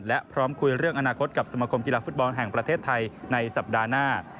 และพร้อมคุยเรื่องอนาคตกับสมคมกีฬาฟุตบอลแห่งประเทศไทยในสัปดาห์หน้า